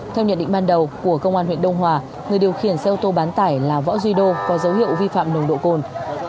theo nhận định ban đầu của công an huyện đông hòa người điều khiển xe ô tô bán tải là võ duy đô có dấu hiệu vi phạm nồng độ cồn